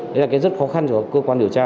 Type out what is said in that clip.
đấy là cái rất khó khăn cho cơ quan điều tra